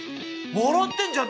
笑ってんじゃん。